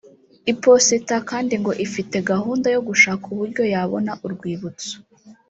Iposita kandi ngo ifite gahunda yo gushaka uburyo yabona urwibutso